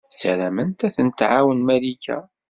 Ssarament ad tent-tɛawen Malika.